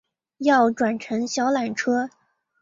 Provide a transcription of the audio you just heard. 要转乘小缆车